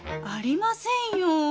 ありませんよ。